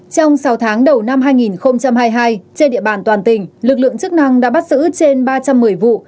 trong sáu tháng đầu năm hai nghìn hai mươi hai trên địa bàn toàn tỉnh lực lượng chức năng đã bắt giữ trên ba trăm một mươi vụ